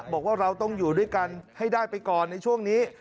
บอกว่าเราต้องอยู่ด้วยกันให้ได้ไปก่อนในช่วงนี้